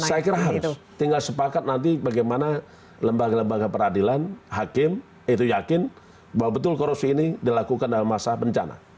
saya kira harus tinggal sepakat nanti bagaimana lembaga lembaga peradilan hakim itu yakin bahwa betul korupsi ini dilakukan dalam masa bencana